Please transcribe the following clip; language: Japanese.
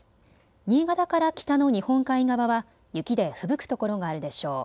新潟から北の日本海側は雪でふぶくところがあるでしょう。